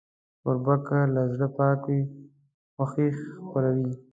کوربه که له زړه پاک وي، خوښي خپروي.